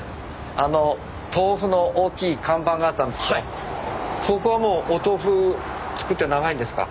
あの豆腐の大きい看板があったんですけどもここはもうお豆腐作って長いんですか？